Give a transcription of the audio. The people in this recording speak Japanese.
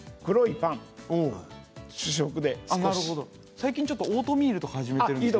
最近ちょっとオートミールとか始めてるんですけど。